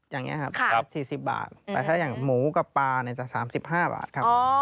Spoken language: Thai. อย่างเนี้ยครับครับสี่สิบบาทแต่ถ้าอย่างหมูกับปลาเนี้ยจะสามสิบห้าบาทครับ